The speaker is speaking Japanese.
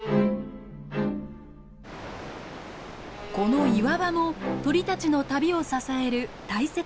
この岩場も鳥たちの旅を支える大切な場所です。